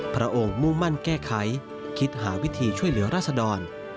พระองค์มุ่งมั่นแก้ไขคิดหาวิธีช่วยเหลือราชดร